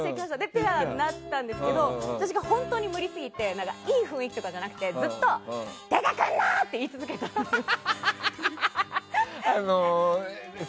ペアになったんですけど私が本当に無理すぎていい雰囲気とかじゃなくてずっと出てくるなー！って言い続けたんですよ。